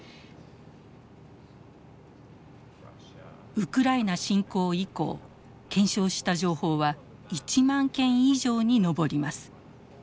ウクライナ侵攻以降検証した情報は１万件以上に上ります。